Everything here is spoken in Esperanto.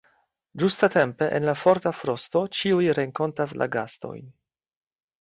Ĝustatempe en la forta frosto ĉiuj renkontas la gastojn.